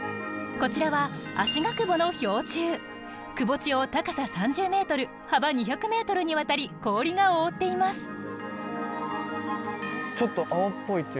こちらはくぼ地を高さ３０ｍ幅２００ｍにわたり氷が覆っています。